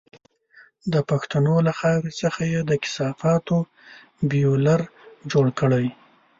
د پښتنو له خاورې څخه یې د کثافاتو بيولر جوړ کړی.